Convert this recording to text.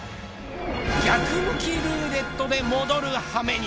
逆向きルーレットで戻るはめに。